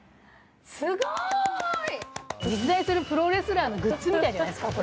すごい！実在するプロレスラーのグッズみたいじゃないですか